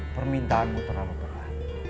permintaanmu terlalu terang